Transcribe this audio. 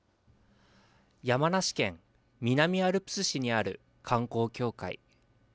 山梨県南アルプス市にある観光協会。